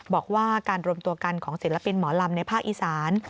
บอกว่าการรวมตัวกันของศิลปินหมอลำในภาคอีสาน